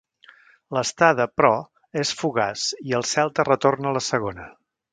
L'estada, però, és fugaç i el Celta retorna a la Segona.